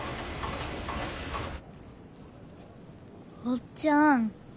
おっちゃん。